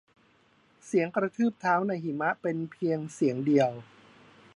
เสียงกระทืบเท้าในหิมะเป็นเป็นเพียงเสียงเดียว